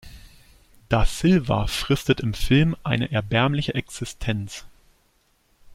Da Silva fristet im Film eine erbärmliche Existenz.